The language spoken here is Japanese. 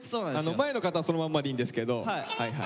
前の方はそのまんまでいいんですけど。